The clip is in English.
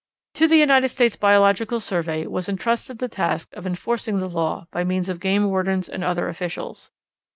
To the United States Biological Survey was intrusted the task of enforcing the law by means of game wardens and other officials.